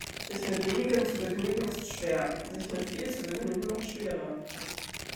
Sich mit wenigem zu begnügen, ist schwer, sich mit viel zu begnügen, noch schwerer.